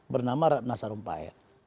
bernama ratna sarumpayat